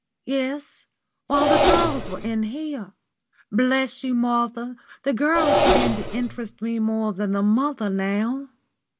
"Yes, while the gals were in here. Bless you, Martha, the gals begin to interest me more than the mother now."